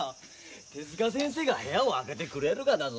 手先生が部屋を空けてくれるがだぞ。